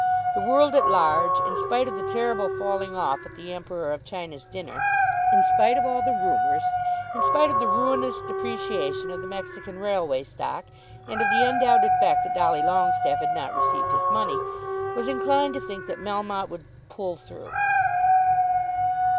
The world at large, in spite of the terrible falling off at the Emperor of China's dinner, in spite of all the rumours, in spite of the ruinous depreciation of the Mexican Railway stock, and of the undoubted fact that Dolly Longestaffe had not received his money, was inclined to think that Melmotte would "pull through."